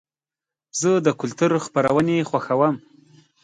زه د کلتور خپرونې خوښوم.